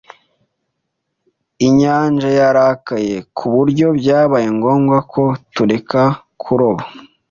Inyanja yarakaye, ku buryo byabaye ngombwa ko tureka kuroba.